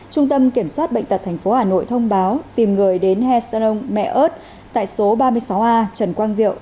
trung tâm kiểm soát bệnh tật tp hà nội thông báo tìm người đến hecron mẹ ớt tại số ba mươi sáu a trần quang diệu